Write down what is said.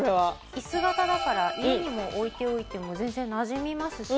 椅子型だから家にも置いておいても全然なじみますし。